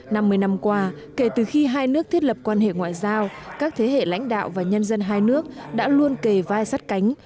năm mươi năm qua kể từ khi hai nước thiết lập quan hệ ngoại giao các thế hệ lãnh đạo và nhân dân hai nước đã luôn kề vai sát cánh